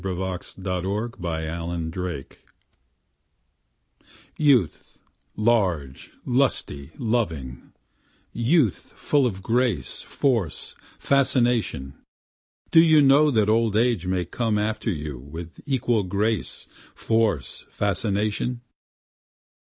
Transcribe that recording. Youth, Day, Old Age and Night Youth, large, lusty, loving youth full of grace, force, fascination, Do you know that Old Age may come after you with equal grace, force, fascination?